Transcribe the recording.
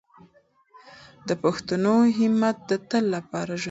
د پښتنو همت د تل لپاره ژوندی دی.